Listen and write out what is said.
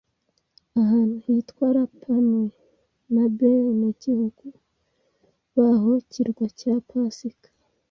Ahantu hitwa Rapa-nui nabenegihugu baho kirwa cya pasika